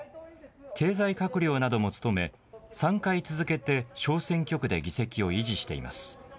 経済閣僚なども務め、３回続けて小選挙区で議席を維持しています。